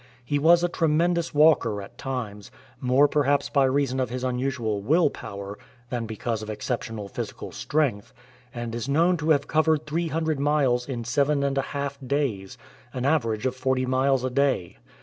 He was a tremendous walker at times, more perhaps by reason of his unusual will power than because of exceptional physical strength, and is known to have covered 800 miles in seven and a half days — an average of forty miles a day.